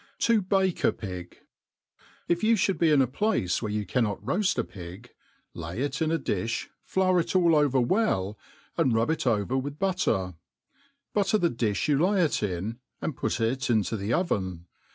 To bah a Pig. ' IF vou fhould be in a place where you cannot roaft a pig, lav it in a di(fa, flour it all over well, and rub it over with 'byitter; butter the difli you lay it in, and put it into the oven.